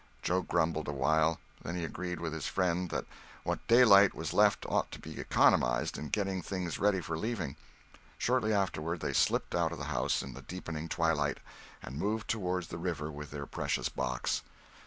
Joe grumbled awhile; then he agreed with his friend that what daylight was left ought to be economized in getting things ready for leaving. Shortly afterward they slipped out of the house in the deepening twilight, and moved toward the river with their precious box.